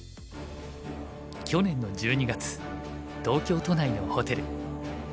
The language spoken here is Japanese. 去年の１２月東京都内のホテル。